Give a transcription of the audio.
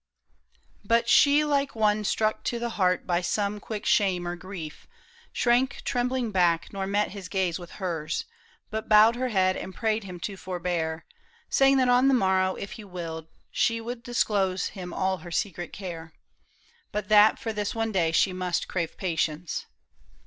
But she, like one Struck to the heart by some quick shame or grief. Shrank trembling back, nor met his gaze with hers, But bowed her head and prayed him to forbear, Saying that on the morrow, if he willed, She would disclose him all her secret care. But that for this one day she must crave patience.